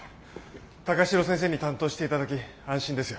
高城先生に担当して頂き安心ですよ。